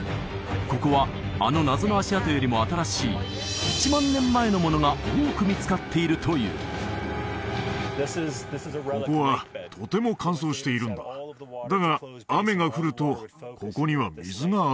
ここはあの謎の足跡よりも新しい１万年前のものが多く見つかっているというだからってことだ